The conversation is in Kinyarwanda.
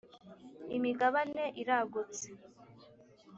imigabane iragutse.